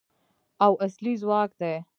او اصلي ځواک دی.